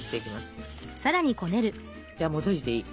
じゃあもう閉じていい。